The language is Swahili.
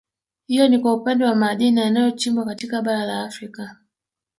Hiyo ni kwa upande wa madini yanayochimbwa katika Bara la Afrika